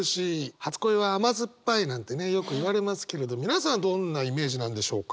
「初恋は甘酸っぱい」なんてねよくいわれますけれど皆さんどんなイメージなんでしょうか？